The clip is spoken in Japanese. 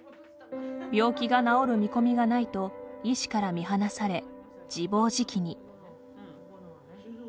病気が治る見込みがないと医師から見放され、自暴自棄に。